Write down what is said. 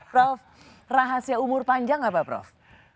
prof rahasia umur panjang nggak pak prof